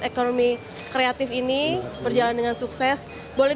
economy creative ini berjalan dengan sukses boleh